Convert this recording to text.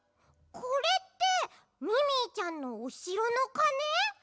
これってミミィちゃんのおしろのかね？